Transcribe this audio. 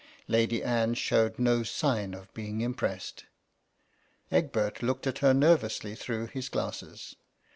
Lady Anne showed no sign of being impressed. Egbert looked at her nervously through his glasses.